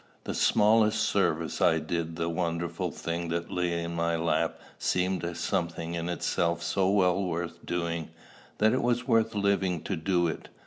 The smallest service I did the wonderful thing that lay in my lap seemed a something in itself so well worth doing, that it was worth living to do it.